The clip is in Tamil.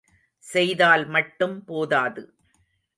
செய்தால் மட்டும் போதாது.